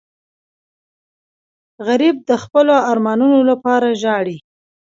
غریب د خپلو ارمانونو لپاره ژاړي